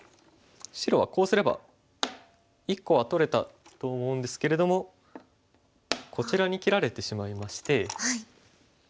白はこうすれば１個は取れたと思うんですけれどもこちらに切られてしまいまして。